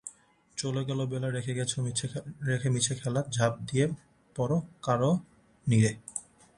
চলে গেল বেলা, রেখে মিছে খেলা ঝাঁপ দিয়ে পড়ো কালো নীরে।